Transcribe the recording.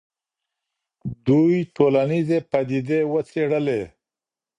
دوی ټولنیزې پدیدې وڅېړلې.